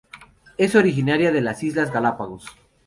Es originaria de las Islas Galápagos.